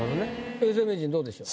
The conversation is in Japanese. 永世名人どうでしょう？